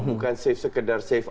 bukan safe sekedar safe